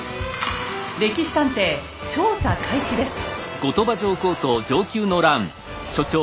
「歴史探偵」調査開始です。